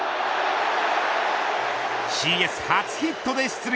ＣＳ初ヒットで出塁。